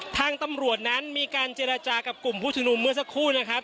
ทางตำรวจนั้นมีการเจรจากับกลุ่มผู้ชุมนุมเมื่อสักครู่นะครับ